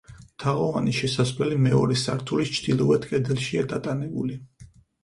თაღოვანი შესასვლელი მეორე სართულის ჩრდილოეთ კედელშია დატანებული.